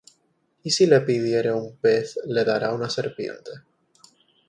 ¿Y si le pidiere un pez, le dará una serpiente?